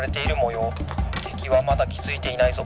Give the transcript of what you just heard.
てきはまだきづいていないぞ。